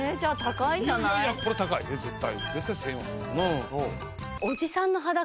これ高いね絶対。